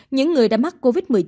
những người đã mắc covid một mươi chín